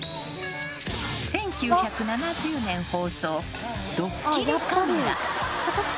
１９７０年放送「どっきりカメラ」。